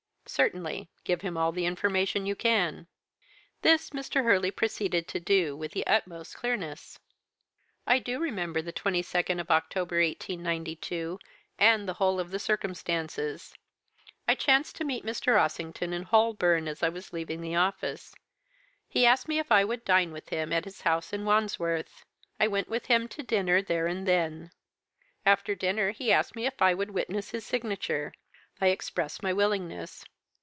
"'Certainly. Give him all the information you can.' "This Mr. Hurley proceeded to do, with the utmost clearness. "'I do remember the 22nd of October, 1892, and the whole of the circumstances. I chanced to meet Mr. Ossington in Holborn as I was leaving the office. He asked me if I would dine with him in his house at Wandsworth. I went with him to dinner there and then. After dinner he asked me if I would witness his signature. I expressed my willingness.